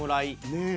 ねえ。